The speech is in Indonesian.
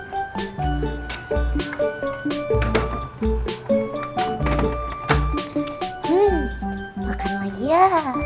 hmm makan lagi ya